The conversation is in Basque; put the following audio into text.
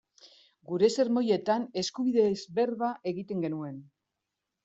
Geure sermoietan eskubideez berba egiten genuen.